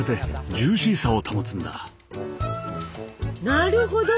なるほど。